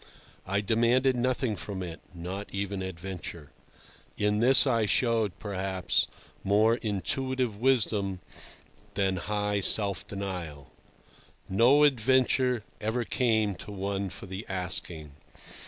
I demanded nothing from it—not even adventure. In this I showed, perhaps, more intuitive wisdom than high self denial. No adventure ever came to one for the asking.